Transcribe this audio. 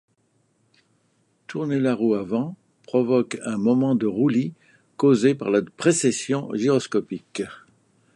Tourner la roue avant provoque un moment de roulis causé par la précession gyroscopique.